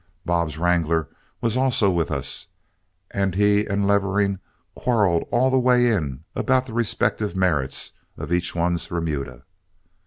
Bob's wrangler was also with us, and he and Levering quarreled all the way in about the respective merits of each one's remuda.